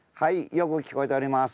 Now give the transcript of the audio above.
よく聞こえております。